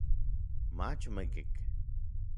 mach omikik.